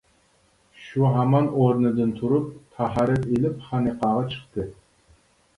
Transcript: شۇ ھامان ئورنىدىن تۇرۇپ، تاھارەت ئېلىپ خانىقاغا چىقتى.